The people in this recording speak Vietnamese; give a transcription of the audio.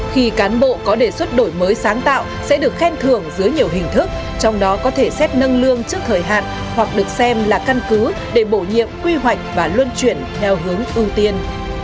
khi cán bộ có đề xuất đổi mới sáng tạo sẽ được khen thưởng dưới nhiều hình thức trong đó có thể xét nâng lương trước thời hạn hoặc được xem là căn cứ để bổ nhiệm quy hoạch và luân chuyển theo hướng ưu tiên